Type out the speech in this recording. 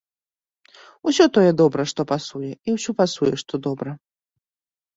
Усё тое добра, што пасуе, і ўсё пасуе, што добра!